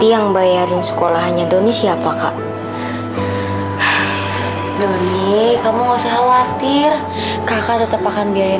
ya allah semoga riring selalu bahagia ya